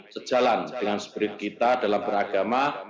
sejalan dengan spirit kita dalam beragama